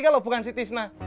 kalau bukan si tisna